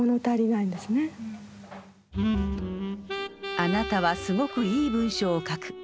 「あなたはすごくいい文章を書く」。